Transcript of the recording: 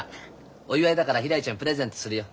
お祝いだからひらりちゃんにプレゼントするよ。